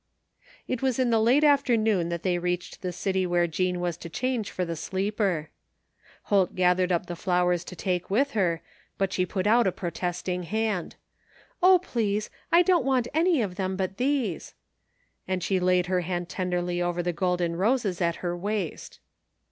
It was in the late afternoon that they readhed the city where Jean was to change to the sleeper. Holt gathered up the flowers to take with her, but she put out a protesting hand :" Oh, please, I don't want any of them but these," 245 THE FINDING OF JASPER HOLT and sihe laid her hand tenderly over the golden roses at her waist.